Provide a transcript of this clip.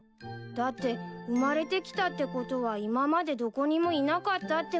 だって生まれてきたってことは今までどこにもいなかったってことだよね。